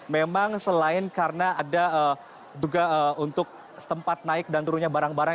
memang selain karena ada juga untuk tempat naik dan turunnya barang barang